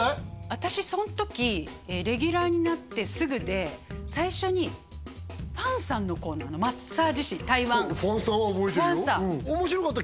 私その時レギュラーになってすぐで最初にホァンさんのコーナーマッサージ師台湾ホァンさんは覚えてるよおもしろかった